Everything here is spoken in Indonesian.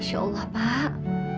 masya allah pak